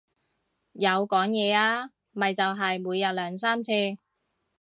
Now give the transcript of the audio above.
有講嘢啊，咪就係每日兩三次